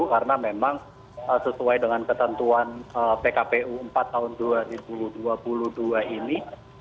karena memang sesuai dengan ketentuan pkpu empat tahun dua ribu dua puluh dua ini